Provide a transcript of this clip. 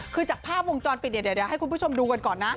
คือจากภาพวงจรปิดเดี๋ยวให้คุณผู้ชมดูกันก่อนนะ